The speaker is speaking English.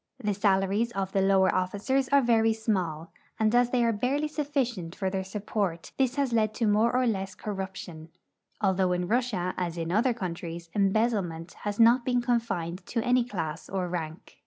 The salaries of the lower officers are very small, and as thej'' are barely sufficient for their support this has led to more or less corruption, although in Russia, as in other countries, embezzle ment has not been confined to any class or rank.